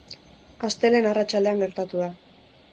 Astelehen arratsaldean gertatu da.